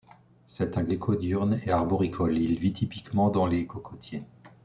C'est un gecko diurne et arboricole, il vit typiquement dans les cocotiers.